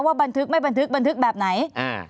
บันทึกไม่บันทึกบันทึกแบบไหน